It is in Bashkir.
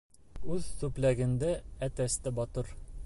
Үҙ сүплегендә әтәс тә батыр.